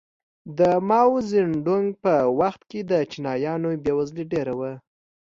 د ماوو زیدونګ په وخت کې د چینایانو بېوزلي ډېره وه.